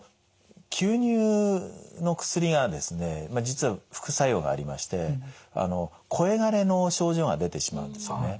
実は副作用がありまして声がれの症状が出てしまうんですよね。